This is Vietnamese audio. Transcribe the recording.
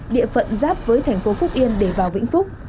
địa phận giáp với thành phố phúc yên để vào vĩnh phúc